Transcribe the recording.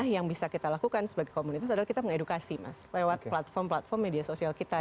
yang bisa kita lakukan sebagai komunitas adalah kita mengedukasi mas lewat platform platform media sosial kita